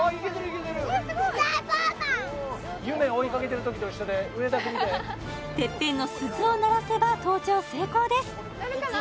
夢追いかけてるときと一緒で上だけ見ててっぺんの鈴を鳴らせば登頂成功です鳴るかな？